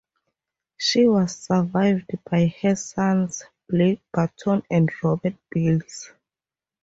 She was survived by her sons Blake Burton and Robert Bills.